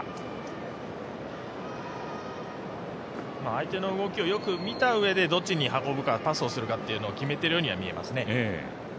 相手の動きをよく見たうえで、どっちへ運ぶかをパスをするかというのを決めているように見えますね。